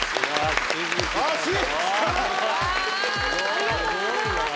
ありがとうございます。